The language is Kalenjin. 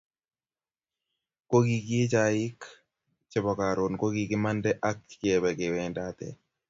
Kokiee chaik chebo karon kokikimande ak kebe kewendate